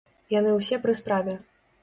Яны ўсе пры справе.